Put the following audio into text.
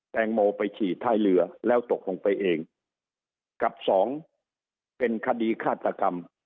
แตงโมไปฉี่ท้ายเรือแล้วตกลงไปเองกับสองเป็นคดีฆาตกรรม